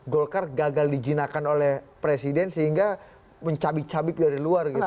golkar gagal dijinakan oleh presiden sehingga mencabik cabik dari luar gitu